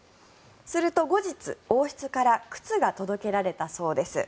すると後日、王室から靴が届けられたそうです。